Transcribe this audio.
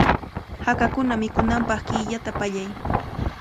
Hakakuna mikunanpaq qiwata pallay.